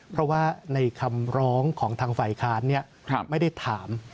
เพราะว่าในคำร้องของทางฝ่ายค้านไม่ได้ถาม